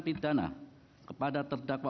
pidana kepada terdakwa